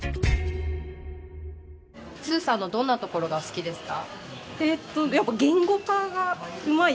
スーさんのどんなところが好きですか？